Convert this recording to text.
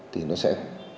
thì nó sẽ